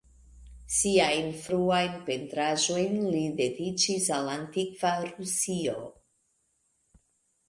Siajn fruajn pentraĵojn li dediĉis al antikva Rusio.